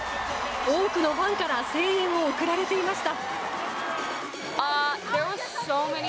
多くのファンから声援を送られていました。